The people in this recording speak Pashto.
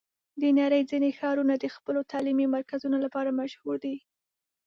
د نړۍ ځینې ښارونه د خپلو تعلیمي مرکزونو لپاره مشهور دي.